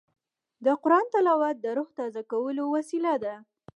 د قرآن تلاوت د روح تازه کولو وسیله ده.